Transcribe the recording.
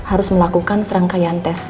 harus melakukan serangkaian tes